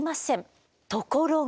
ところが。